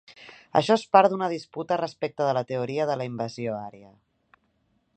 Això és part d'una disputa respecte de la teoria de la invasió ària.